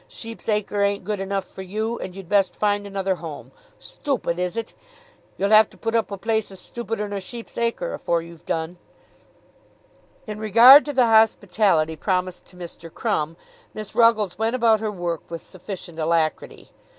Sheep's Acre ain't good enough for you, and you'd best find another home. Stoopid, is it? You'll have to put up wi' places stoopider nor Sheep's Acre, afore you've done." In regard to the hospitality promised to Mr. Crumb, Miss Ruggles went about her work with sufficient alacrity.